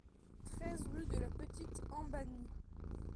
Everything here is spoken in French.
treize rue de la Petite Embanie